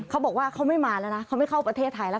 เขาบอกว่าเขาไม่มาแล้วนะเขาไม่เข้าประเทศไทยแล้ว